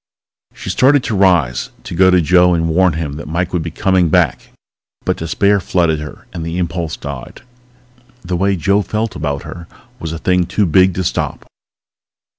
She started to rise, to go to Joe and warn him that Mike would be coming back. But despair flooded her and the impulse died. The way Joe felt about her was a thing too big to stop